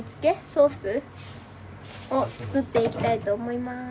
ソースを作っていきたいと思います。